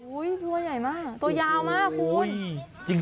อุ๊ยตัวใหญ่มากตัวยาวมากครบคุณ